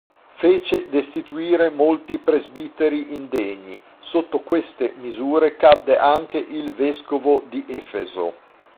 Fece destituire molti presbiteri indegni: sotto queste misure cadde anche il vescovo di Efeso.